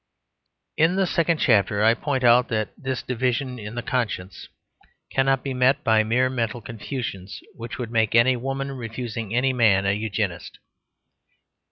In the second chapter I point out that this division in the conscience cannot be met by mere mental confusions, which would make any woman refusing any man a Eugenist.